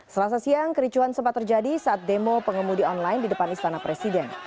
selasa siang kericuan sempat terjadi saat demo pengemudi online di depan istana presiden